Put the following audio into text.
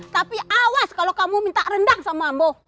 tapi awas kalau kamu minta rendang sama ambo